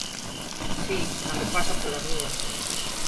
Si, cando pasa pola rúa.